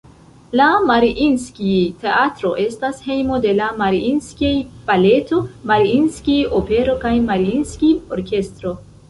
La Mariinskij-Teatro estas hejmo de la Mariinskij-Baleto, Mariinskij-Opero kaj Mariinskij-Orkestro.